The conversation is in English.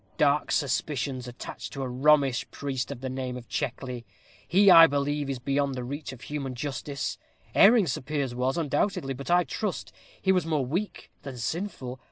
Dark suspicions attach to a Romish priest of the name of Checkley. He, I believe, is beyond the reach of human justice. Erring Sir Piers was, undoubtedly. But I trust he was more weak than sinful.